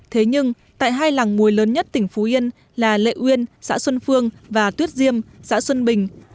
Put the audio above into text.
thế nhưng tại hai làng muối lớn nhất tỉnh phú yên là lệ uyên xã xuân phương và tuyết diêm xã xuân bình